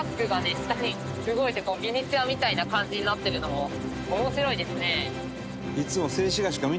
下に動いてミニチュアみたいな感じになってるのも面白いですね。